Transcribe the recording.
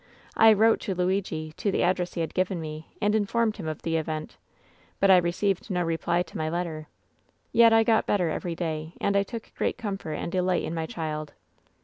"I wrote to Luigi — ^to the address he had given me — and informed him of the event. But I received no reply to my letter. Yet, I got better every day, and I took great comfort and delight in my child.